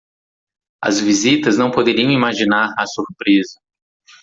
As visitas não poderiam imaginar a surpresa